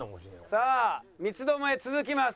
さあ三つどもえ続きます。